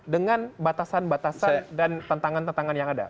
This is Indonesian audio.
dengan batasan batasan dan tantangan tantangan yang ada